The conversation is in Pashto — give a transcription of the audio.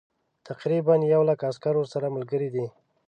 تقریبا یو لک عسکر ورسره ملګري دي.